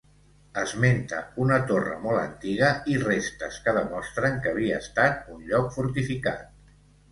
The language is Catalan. Esmenta una torre molt antiga i restes que demostren que havia estat un lloc fortificat.